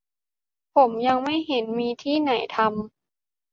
ผมยังไม่เห็นมีที่ไหนทำ